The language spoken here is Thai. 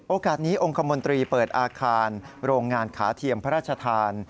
โอกาสนี้องค์คมนตรีเปิดอาคารโรงงานขาเทียมพระราชทาน